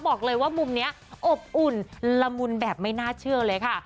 บอกเลยว่ามุมนี้อบอุ่นละมุนแบบไม่น่าเชื่อเลยค่ะ